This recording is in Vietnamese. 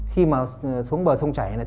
khi mà xuống bờ sông chảy này